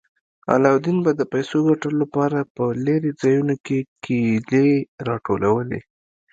علاوالدین به د پیسو ګټلو لپاره په لیرې ځایونو کې کیلې راټولولې.